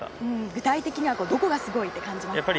具体的にはどこがすごいと感じますか？